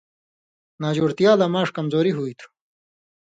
ناجوڑتیا لا ماݜ کمزوری ہوئی تھو ۔